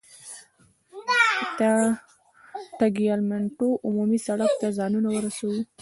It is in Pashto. د ټګلیامنتو عمومي سړک ته ځانونه ورسوو.